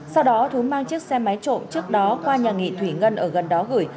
sau đó thú mang chiếc xe máy trộm trước đó qua nhà nghị thủy ngân ở gần đó gửi